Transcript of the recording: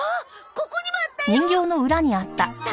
ここにもあったよ！